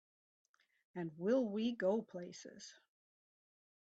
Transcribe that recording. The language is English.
And will we go places!